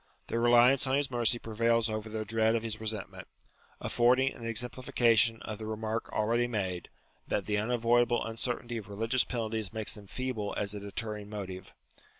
Their reliance on his mercy prevails over their dread of his resent ment ; affording an exemplification of the remark already made, that the unavoidable uncertainty of religious penalties makes them feeble as a deterring motive.